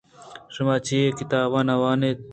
شما چی ءَ کتاب نہ وان اِت؟